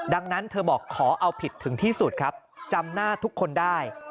ดังนั้นเธอบอกขอเอาผิดถึงที่สุดครับจำหน้าทุกคนได้